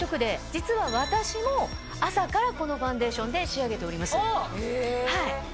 実は私も朝からこのファンデーションで仕上げております。